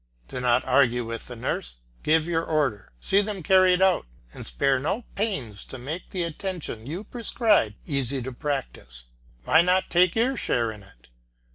Do not argue with the nurses; give your orders, see them carried out, and spare no pains to make the attention you prescribe easy in practice. Why not take your share in it?